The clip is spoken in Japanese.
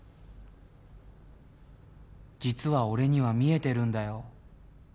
実は俺には見えてるんだよ。